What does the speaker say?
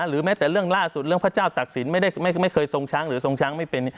แม้แต่เรื่องล่าสุดเรื่องพระเจ้าตักศิลป์ไม่เคยทรงช้างหรือทรงช้างไม่เป็น